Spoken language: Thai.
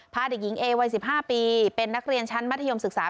พาเด็กหญิงเอวัย๑๕ปีเป็นนักเรียนชั้นมัธยมศึกษา